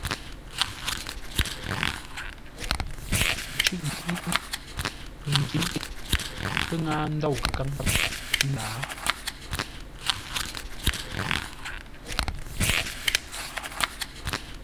Ə́ ncʉ́ʼ nkwʉ́. Pəngyě pə́ ŋâa ndôu kə́káŋ, ə́ ndǎa.